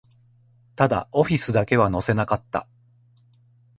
ただ、オフィスだけは乗せなかった